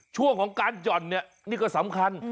ช่วงของการจ่อนนี่ก็สำคัญ